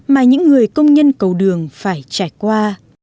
mà những người công nhân cầu đường phải trải qua